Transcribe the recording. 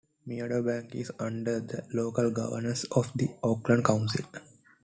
Meadowbank is under the local governance of the Auckland Council.